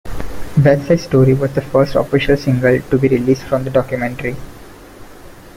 "Westside Story" was the first official single to be released from "The Documentary".